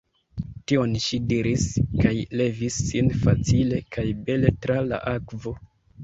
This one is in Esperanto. Tion ŝi diris kaj levis sin facile kaj bele tra la akvo.